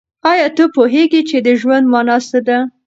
آیا ته پوهېږې چې د ژوند مانا څه ده؟